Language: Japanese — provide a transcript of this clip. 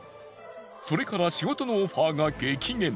それから仕事のオファーが激減。